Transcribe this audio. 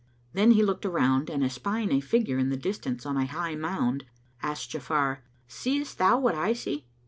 Then he looked around and espying a figure in the distance on a high mound, asked Ja'afar, "Seest thou what I see?"